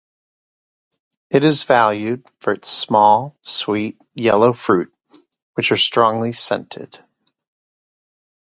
It is valued for its small, sweet, yellow fruit, which are strongly scented.